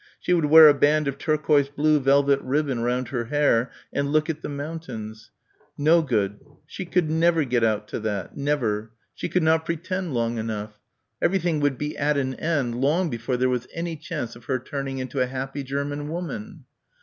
She would wear a band of turquoise blue velvet ribbon round her hair and look at the mountains.... No good. She could never get out to that. Never. She could not pretend long enough. Everything would be at an end long before there was any chance of her turning into a happy German woman.